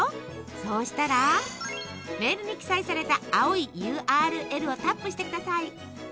そうしたらメールに記載された青いＵＲＬをタップしてください。